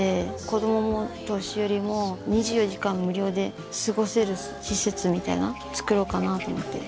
子どももお年寄りも２４時間無料で過ごせる施設みたいなつくろうかなと思って。